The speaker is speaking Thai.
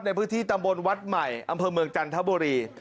ในพื้นที่ตำบลวัดใหม่อำเภอเมืองจันทบุรี